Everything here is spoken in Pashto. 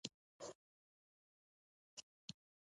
د خپلو اولادونو ښه روزنه وکړه.